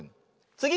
つぎ！